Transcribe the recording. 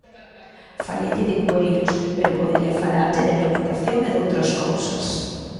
Faleille de cueiros, pero podería falarlle de alimentación e doutras cousas.